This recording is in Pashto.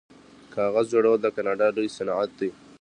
کاغذ جوړول د کاناډا لوی صنعت دی.